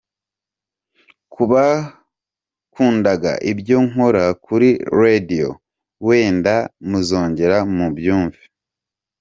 Ku bakundaga ibyo nkora kuri Radio, wenda muzongera mubyumve.